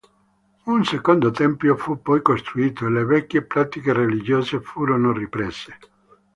Un Secondo Tempio fu poi costruito e le vecchie pratiche religiose furono riprese.